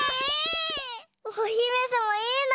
おひめさまいいな。